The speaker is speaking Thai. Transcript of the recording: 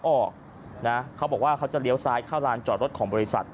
ออกนะเขาบอกว่าเขาจะเลี้ยวซ้ายเข้าลานจอดรถของบริษัท